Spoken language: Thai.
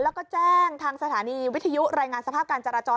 แล้วก็แจ้งทางสถานีวิทยุรายงานสภาพการจราจร